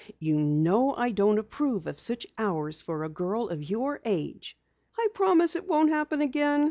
"You know I don't approve of such hours for a girl of your age." "I promise it won't happen again.